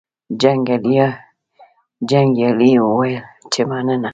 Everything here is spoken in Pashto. جنګیالي وویل چې مننه.